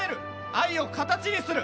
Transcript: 愛を形にする。